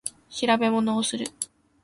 調べ物をする